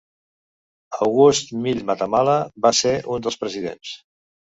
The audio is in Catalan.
August Gil Matamala va ser un dels presidents.